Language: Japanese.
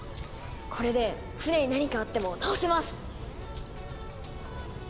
これで船に何かあっても直せます！